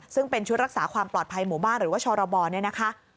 ซึ่งเป็นชุดรักษาความปลอดภัยหมู่บ้านหรือว่าชรบเนี่ยนะคะ